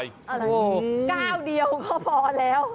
อะไรก้าวเดียวก็พอแล้ว